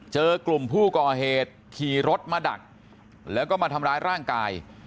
เจอกลุ่มผู้ก่อเหตุขี่รถมาดักแล้วก็มาทำร้ายร่างกาย